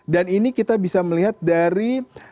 dan ini kita bisa melihat dari